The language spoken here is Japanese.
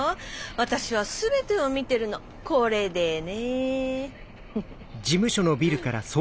私は全てを見てるのこれでね。